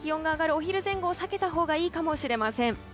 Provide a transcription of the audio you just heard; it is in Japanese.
お昼前後を避けたほうがいいかもしれません。